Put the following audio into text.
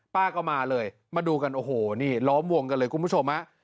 ป้าก็มาเลยมาดูกันโอ้โหนี่ล้อมวงกันเลยคุณผู้ชมฮะ